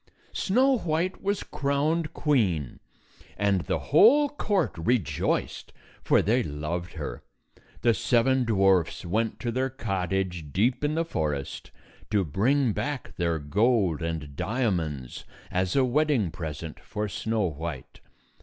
Snow White was crowned queen, and the whole court rejoiced, for they loved her. The seven dwarfs went to their cottage, deep in the forest, to bring back their gold and diamonds as a wedding present for Snow White.